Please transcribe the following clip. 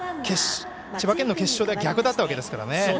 千葉県の決勝では逆だったわけですからね。